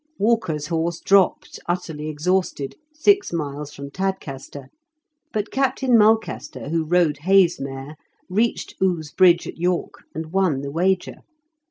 "Walker's horse dropped, utterly exhausted, six miles from Tadcaster ; but Captain Mulcaster, who rode Hay's mare, reached Ouse Bridge, at York, and won the wager.